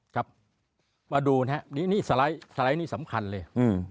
ครับมาดูนะครับนี่สไลด์นี่สำคัญเลย